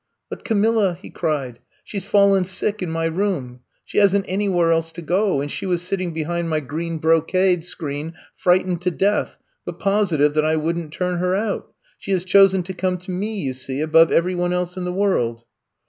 *' '*But, Camilla," he cried, ''she 's fallen sick in my room. She hasn't anyivhere else to go — and she was sitting behind my green brocade screen frightened to death, but positive that I would n*t turn her out. She has chosen to come to me, you see, above every one else in the world.''